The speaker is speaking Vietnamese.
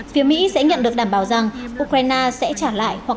phía mỹ sẽ nhận được đảm bảo rằng ukraine sẽ trả lại hoặc